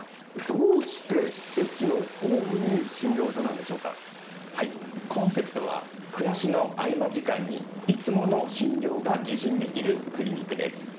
どうして駅のホームに診療所コンセプトは、暮らしの合間時間にいつもの診療が受診できるクリニックです。